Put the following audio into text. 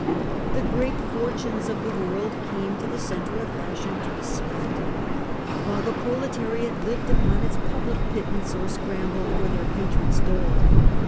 The great fortunes of the world came to the centre of fashion to be spent, while the proletariat lived upon its public pittance or scrambled for their patrons' dole.